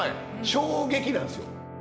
衝撃なんですよ。